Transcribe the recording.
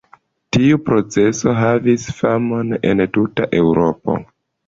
Tiu proceso havis famon en tuta Eŭropo.